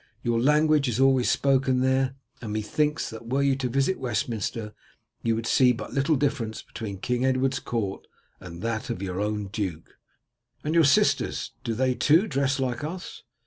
Your language is always spoken there, and methinks that were you to visit Westminster you would see but little difference between King Edward's court and that of your own duke." "And your sisters, do they too dress like us?"